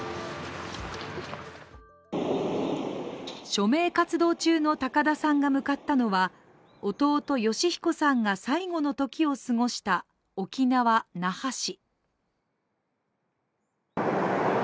署名活動中の高田さんが向かったのは弟、善彦さんが最後の時を過ごした沖縄・那覇市。